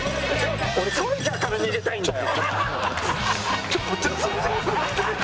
俺ソルジャーから逃げたいんだよ！